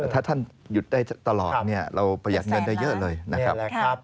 ถ้าท่านหยุดได้ตลอดเราประหยัดเงินได้เยอะเลยนะครับ